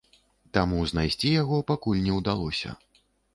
Таму знайсці яго пакуль не ўдалося.